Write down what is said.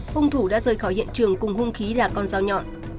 hung thủ đã rời khỏi hiện trường cùng hung khí là con dao nhọn